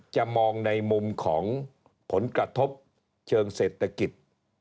จะมองในมุมของผลกระทบเชิงเศรษฐกิจ